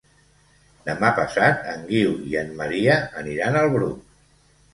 Demà passat en Guiu i en Maria aniran al Bruc.